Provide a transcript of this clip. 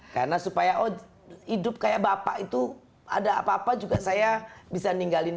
karena supaya oh hidup kayak bapak itu ada apa apa juga saya bisa ninggalin